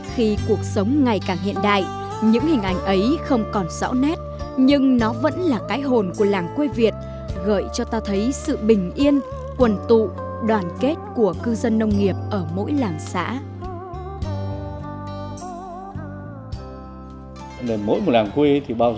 khi cuộc sống ngày càng hiện đại những hình ảnh ấy không còn rõ nét nhưng nó vẫn là cái hồn của làng quê việt gợi cho ta thấy sự bình yên quần tụ đoàn kết của cư dân nông nghiệp ở mỗi làng xã